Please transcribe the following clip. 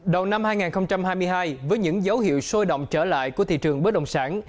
đầu năm hai nghìn hai mươi hai với những dấu hiệu sôi động trở lại của thị trường bất động sản